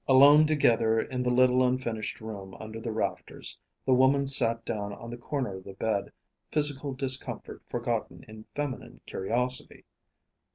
Alone together in the little unfinished room under the rafters, the woman sat down on the corner of the bed, physical discomfort forgotten in feminine curiosity.